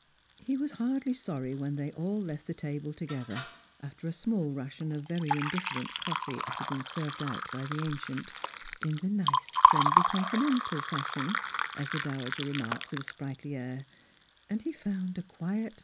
He was hardly sorry when they all left the table together, after a small ration of very indifferent cofiee had been served out by the ancient, " in the nice friendly continental fashion," as the dowager remarked with a sprightly air, and he found a quiet Stranrjers and Pilgrims.